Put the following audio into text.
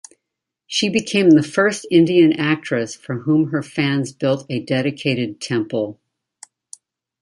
She became the first Indian actress for whom her fans built a dedicated temple.